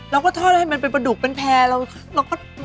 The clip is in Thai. เราก็ทอดให้มันเป็นประดุกเป็นแพร่เราก็